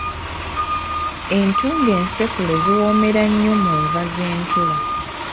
Entungo ensekule ziwoomera nnyo mu nva z’entula.